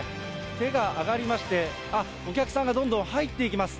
手が挙がりまして、あっ、お客さんがどんどん入っていきます。